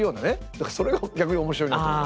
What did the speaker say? だからそれが逆に面白いなと思う。